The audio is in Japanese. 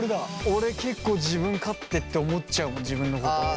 俺結構自分勝手って思っちゃう自分のこと。